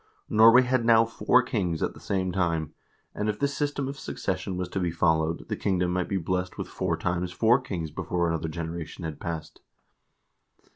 Norway had now four kings at the same time, and if this system of succession was to be followed, the kingdom might be blessed with four times four kings before another generation had passed.